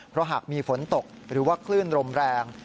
เพราะหากมีฝนตกหรือว่าคลื่นลมแรง